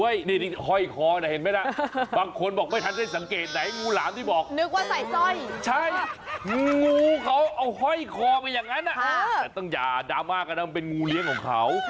อย่างนั้นนะแต่ต้องอย่าดาม่ากระดับเป็นงูเลี้ยงของเขา